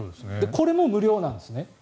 これも無料なんですね。